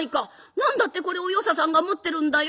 何だってこれを与三さんが持ってるんだよ。